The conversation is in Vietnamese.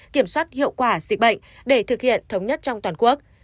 kiểm soát hiệu quả dịch bệnh để thực hiện thống nhất trong toàn quốc